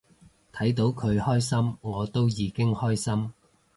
睇到佢開心我都已經開心